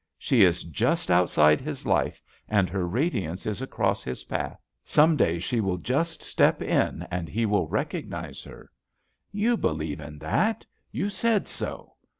She is just outside his life and her radiance is acros: his path. Some day she will just step in and hi will recognize her. You believe in that. You said so.